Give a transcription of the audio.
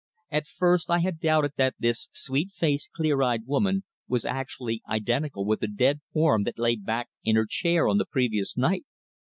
At first I had doubted that this sweet faced, clear eyed woman was actually identical with the dead form that lay back in her chair on the previous night.